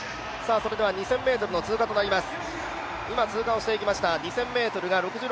今、２０００ｍの通過となります。